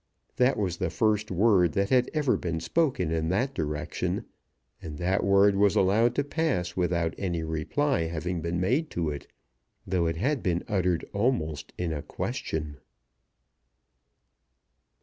That was the first word that had ever been spoken in that direction, and that word was allowed to pass without any reply having been made to it, though it had been uttered almost in a question.